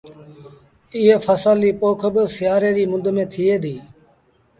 ايٚئي ڦسل ريٚ پوک با سيآري ريٚ مند ٿئي ديٚ